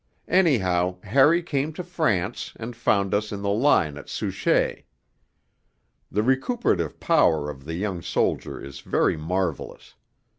Anyhow, Harry came to France and found us in the line at Souchez. The recuperative power of the young soldier is very marvellous.